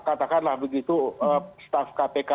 katakanlah begitu staff kpk